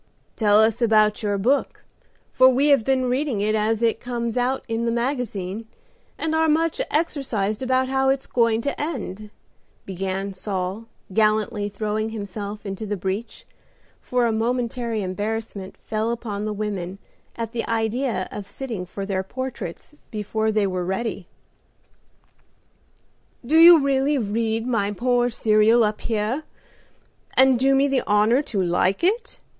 "Tell us about your book, for we have been reading it as it comes out in the magazine, and are much exercised about how it's going to end," began Saul, gallantly throwing himself into the breach, for a momentary embarrassment fell upon the women at the idea of sitting for their portraits before they were ready. "Do you really read my poor serial up here, and do me the honor to like it?"